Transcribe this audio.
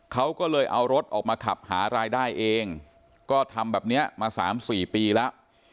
เขาก็เลยเอารถออกมาขับหารายได้เองก็ทำแบบนี้มา๓๔ปีแล้ว